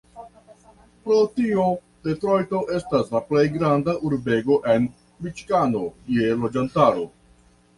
Pro tio, Detrojto estas la plej granda urbego en Miĉigano je loĝantaro.